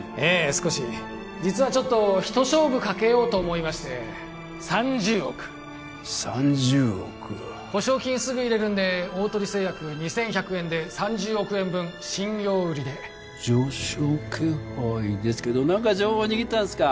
少し実はちょっとひと勝負かけようと思いまして３０億３０億保証金すぐ入れるんで大鳥製薬２１００円で３０億円分信用売りで上昇気配ですけど何か情報握ったんすか？